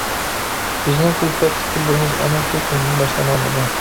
بىزنىڭ كۈلپەتلىك كۈنلىرىمىز ئەنە شۇ كۈنىدىن باشلانغانىدى.